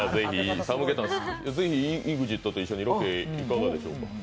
是非ＥＸＩＴと一緒にロケ、いかがでしょうか。